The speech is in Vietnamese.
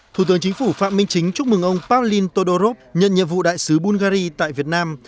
thủ tướng chính phủ phạm minh chính chúc mừng ông pavlin todorov nhận nhiệm vụ đại sứ bulgari tại việt nam